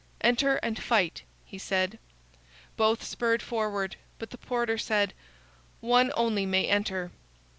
"Enter and fight," he said. Both spurred forward, but the porter said: "One only may enter."